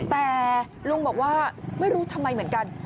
แต่ลุงบอกว่าไม่รู้ทำไมเหมือนกัน